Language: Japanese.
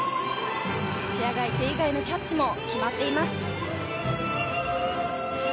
視野外、手以外のキャッチも決まっています。